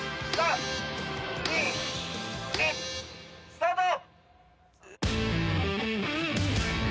スタート！